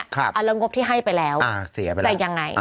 แล้วงบที่ให้ไปแล้วจะยังไง